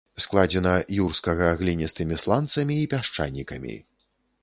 Складзена юрскага гліністымі сланцамі і пясчанікамі.